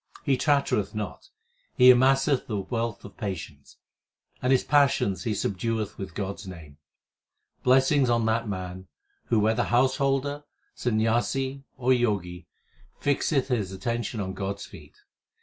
360 THE SIKH RELIGION He chattereth not ; he amasseth the wealth of patience ; and his passions he subdueth with God s name. Blessings on that man, who whether householder, Sanyasi, or Jogi, fixeth his attention on God s feet.